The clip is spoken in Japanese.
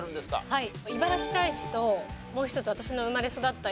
はい。